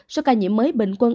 số ca nhiễm mới bình quân